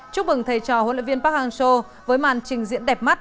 chúc mừng thầy trò huấn luyện viên park hang seo với màn trình diễn đẹp mắt